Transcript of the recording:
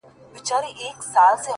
زړه چي ستا عشق اکبر کي را ايسار دی;